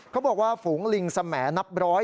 เขาบอกว่าฝูงลิงสมนับร้อย